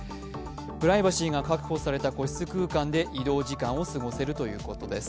プライバシーが確保された個室空間で移動時間を過ごせるということです。